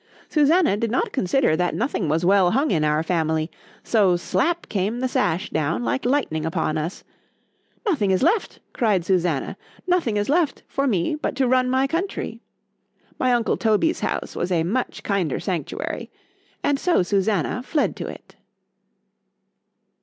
——Susannah did not consider that nothing was well hung in our family,——so slap came the sash down like lightning upon us;—Nothing is left,—cried Susannah,—nothing is left—for me, but to run my country.—— My uncle Toby's house was a much kinder sanctuary; and so Susannah fled to it.